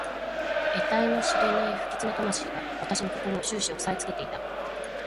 えたいの知れない不吉な魂が私の心を始終おさえつけていた。